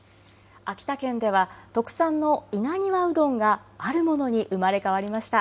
秋田県では特産の稲庭うどんがあるものに生まれ変わりました。